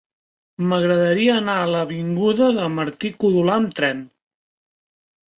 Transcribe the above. M'agradaria anar a l'avinguda de Martí-Codolar amb tren.